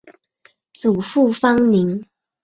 祖父方宁。